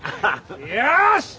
よし！